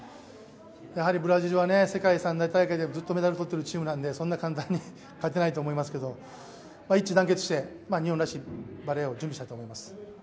やはりブラジルは世界三大大会でずっとメダルを取っているのでそんな簡単に勝てないと思いますけど、一致団結して日本らしいバレーをしたいと思います。